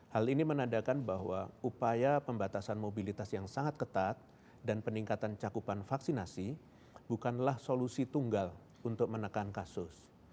hal ini menandakan bahwa upaya pembatasan mobilitas yang sangat ketat dan peningkatan cakupan vaksinasi bukanlah solusi tunggal untuk menekan kasus